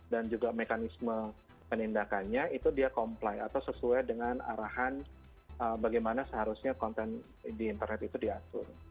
dan juga mekanisme penindakannya itu dia comply atau sesuai dengan arahan bagaimana seharusnya konten di internet itu diatur